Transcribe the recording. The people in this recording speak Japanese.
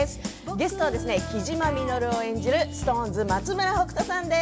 ゲストは雉真稔を演じるＳｉｘＴＯＮＥＳの松村北斗さんです。